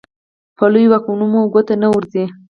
په لویو واکمنو مو ګوته نه ورځي.